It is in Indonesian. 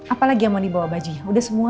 apa lagi yang mau dibawa baji udah semua